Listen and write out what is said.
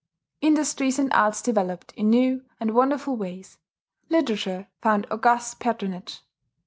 Industries and arts developed in new and wonderful ways; literature found august patronage.